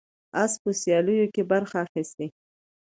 اس په سیالیو کې برخه اخیسته.